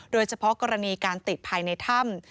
โดยเฉพาะกรณีการติดภายในถ้ำ